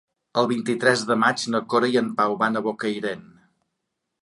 El vint-i-tres de maig na Cora i en Pau van a Bocairent.